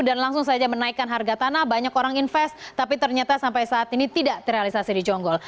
dan langsung saja menaikkan harga tanah banyak orang investasi tapi ternyata sampai saat ini tidak terrealisasi di jonggol